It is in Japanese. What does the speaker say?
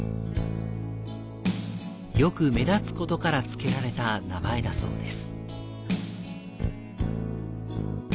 よく目立つことからつけられた名前だそうです。